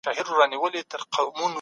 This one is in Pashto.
د ږيري او نورو نبوي سنتو سپکاوی کفر دی.